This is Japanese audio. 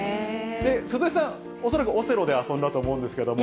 鈴江さん、恐らくオセロで遊んだと思いますけれども。